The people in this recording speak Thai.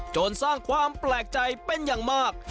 จนสร้างความแปลกใจเป็นอย่างมาก